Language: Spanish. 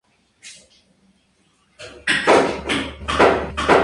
Hermanos Flores Magón.